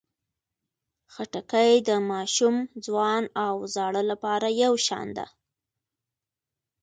خټکی د ماشوم، ځوان او زاړه لپاره یو شان ده.